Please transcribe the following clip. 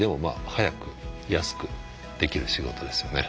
早く安くできる仕事ですよね。